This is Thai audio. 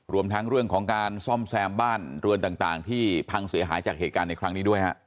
รวมทั้งเรื่องของการซ่อมแซมบ้านเรือนต่างที่พังเสียหายจากเหตุการณ์ในครั้งนี้ด้วยฮะ